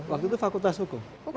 waktu itu fakultas hukum